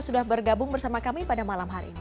sudah bergabung bersama kami pada malam hari ini